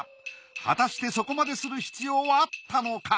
果たしてそこまでする必要はあったのか？